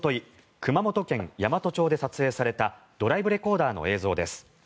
熊本県山都町で撮影されたドライブレコーダーの映像です。